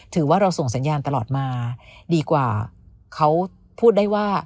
ถือว่าเราส่งสัญญาณตลอดมาดีกว่าเขาพูดได้ว่า